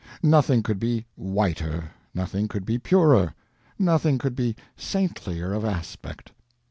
Nothing could be whiter; nothing could be purer; nothing could be saintlier of aspect.